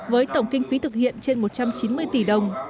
với tổng kinh phí thực hiện trên một trăm chín mươi tỷ đồng